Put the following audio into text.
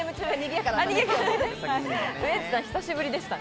ウエンツさん、久しぶりでしたね。